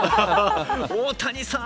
大谷さん！